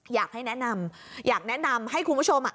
อยากให้แนะนำอยากแนะนำให้คุณผู้ชม